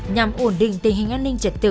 nhằm ổn định tình hình an ninh trật tự